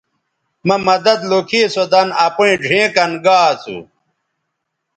مہ مدد لوکھی سو دَن اپیئں ڙھیئں کَن گا اسو